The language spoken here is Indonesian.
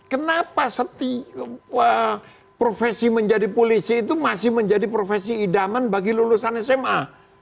kenapa profesi menjadi polisi itu masih menjadi profesi idaman bagi lulusan sma